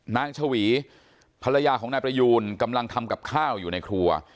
ชวีภรรยาของนายประยูนกำลังทำกับข้าวอยู่ในครัว